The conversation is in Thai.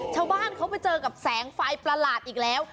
ชาวบ้านเขาไปเจอกับแสงไฟประหลาดอีกแล้ว